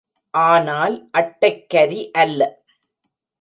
ஆனால் அட்டைக்கரி அல்ல.